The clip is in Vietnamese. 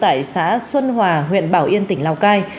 tại xã xuân hòa huyện bảo yên tỉnh lào cai